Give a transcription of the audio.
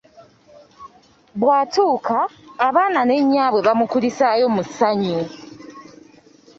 Bw’atuuka, abaana ne nnyaabwe bamukulisaayo mu ssannyu.